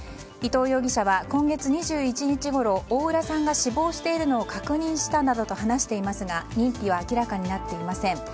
伊藤容疑者は今月２１日ごろ大浦さんが死亡しているの確認したなどと供述していますが認否は明らかになっていません。